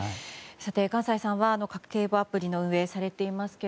さて、閑歳さんは家計簿アプリを運営されていますが